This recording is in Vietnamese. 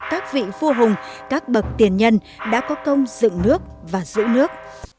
các vị vua hùng các bậc tiền nhân đã có công dựng nước và giữ nước